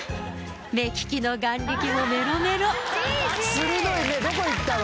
目利きの眼力もメロメロ鋭い目どこいったの？